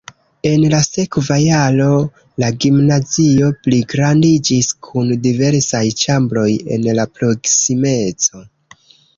En la sekva jaro la gimnazio pligrandiĝis kun diversaj ĉambroj en la proksimeco.